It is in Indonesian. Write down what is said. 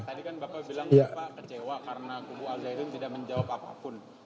tadi kan bapak bilang bapak kecewa karena kupu al zahirun tidak menjawab apa apa